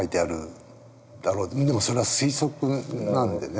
でもそれは推測なんでね